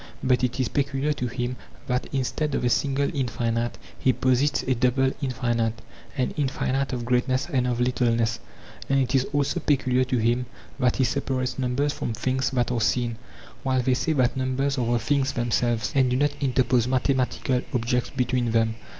But it is peculiar to him that instead of a single infinite he posits a double infinite, an infinite of greatness and of littleness; and it is also peculiar to him that he separates numbers from things that are seen, while they say that numbers are the things themselves, and do not interpose mathe matical objects between them.